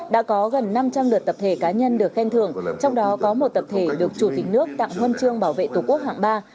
đã có gần năm trăm linh lượt tập thể cá nhân được khen thưởng trong đó có một tập thể được chủ tịch nước tặng huân chương bảo vệ tổ quốc hạng ba